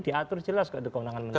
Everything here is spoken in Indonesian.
diatur jelas kewenangan menteri